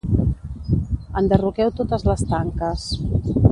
Enderroqueu totes les tanques.